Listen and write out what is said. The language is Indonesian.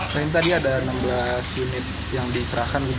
jadi tadi ada enam belas unit yang dikerahkan